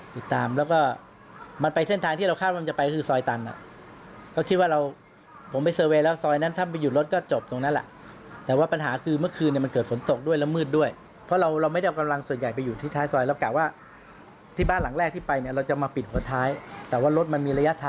ติดตามแล้วก็มันไปเส้นทางที่เราคาดว่ามันจะไปคือซอยตันอ่ะก็คิดว่าเราผมไปเซอร์เวย์แล้วซอยนั้นถ้าไม่หยุดรถก็จบตรงนั้นแหละแต่ว่าปัญหาคือเมื่อคืนเนี่ยมันเกิดฝนตกด้วยแล้วมืดด้วยเพราะเราเราไม่ได้เอากำลังส่วนใหญ่ไปอยู่ที่ท้ายซอยแล้วกะว่าที่บ้านหลังแรกที่ไปเนี่ยเราจะมาปิดหัวท้ายแต่ว่ารถมันมีระยะ